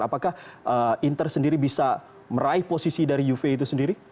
apakah inter sendiri bisa meraih posisi dari juve itu sendiri